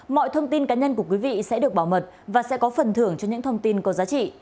mọi thông tin cá nhân của quý vị sẽ được bảo mật và sẽ có phần thưởng cho những thông tin có giá trị